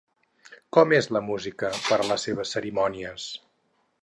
Com és la música per a les seves cerimònies?